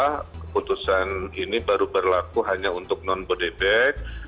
karena keputusan ini baru berlaku hanya untuk non bodebek